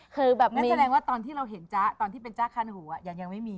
คือแบบงั้นแสดงว่าตอนที่เราเห็นจ๊ะตอนที่เป็นจ๊ะคันหูอ่ะยังไม่มี